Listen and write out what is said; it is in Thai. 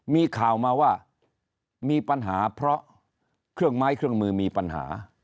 มีข่าวมาว่ามีปัญหาเพราะเครื่องไม้เครื่องมือมีปัญหา